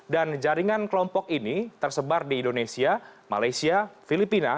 dan jaringan kelompok ini tersebar di indonesia malaysia filipina